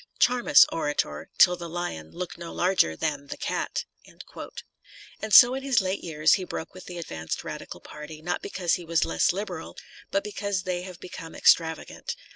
Charm us, Orator, till the Lion look no larger than the Cat.* And SO in his late years he broke with the advanced radical party, not because he was less liberal, but because they have become extravagant.